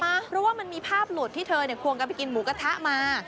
เพราะว่ามันมีภาพหลุดที่เธอควงกันไปกินหมูกระทะมา